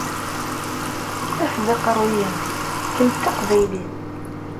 Rfed aqeṛṛu-yim kemm d taqbaylit!